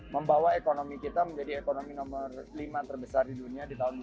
membawa ekonomi kita menjadi ekonomi nomor lima terbesar di dunia di tahun dua ribu